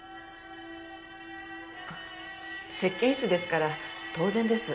あっ接見室ですから当然です。